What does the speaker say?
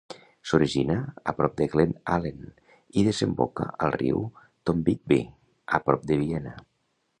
S'origina a prop de Glen Allen i desemboca al riu Tombigbee a prop de Viena.